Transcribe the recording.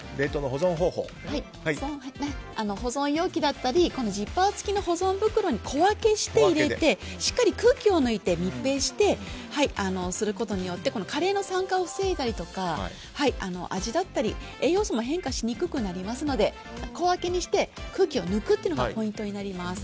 保存容器だったりジッパー付きの保存袋に小分けして、入れてしっかり空気を抜いて密閉することによってカレーの酸化を防いだりとか味だったり栄養素も変化しにくくなりますので小分けにして空気を抜くのがポイントになります。